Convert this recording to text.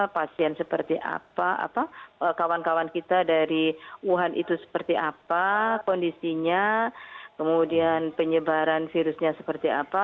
pasien seperti apa kawan kawan kita dari wuhan itu seperti apa kondisinya kemudian penyebaran virusnya seperti apa